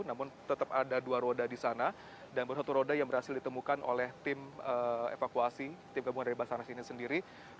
namun tetap ada dua roda di sana dan bersatu roda yang berhasil ditemukan oleh tim evakuasi tim gabungan dari basarnas ini sendiri